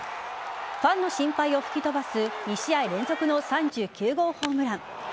ファンの心配を吹き飛ばす２試合連続の３９号ホームラン。